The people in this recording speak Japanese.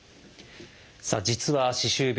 さあ実は歯周病